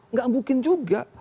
nggak mungkin juga